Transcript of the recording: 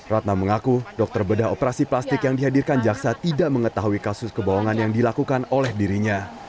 ratna mengaku dokter bedah operasi plastik yang dihadirkan jaksa tidak mengetahui kasus kebohongan yang dilakukan oleh dirinya